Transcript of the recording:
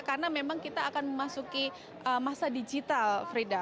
karena memang kita akan memasuki masa digital frida